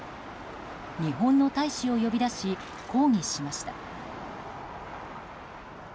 日本の大使を呼び出し抗議しました。